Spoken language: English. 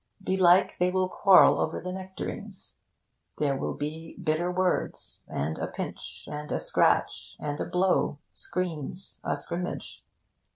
Belike, they will quarrel over the nectarines. There will be bitter words, and a pinch, and a scratch, and a blow, screams, a scrimmage.